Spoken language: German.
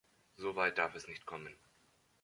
Soweit darf es nicht kommen.